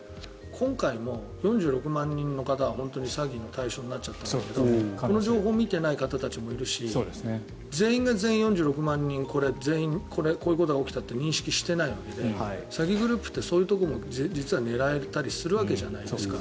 今回も４６万人の方は本当に詐欺の対象になっちゃったけどこの情報を見ていない方たちもいるし全員が全員、４６万人がこれ、全員こういうことが起きたって認識していないわけで詐欺グループってそういうところも実は狙えたりするわけじゃないですか。